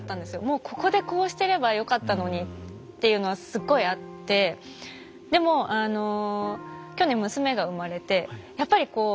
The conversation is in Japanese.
もう「ここでこうしてればよかったのに」っていうのはすごいあってでもあの去年娘が生まれてやっぱりこう。